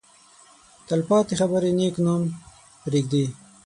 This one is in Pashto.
تل پاتې خبرې نېک نوم پرېږدي.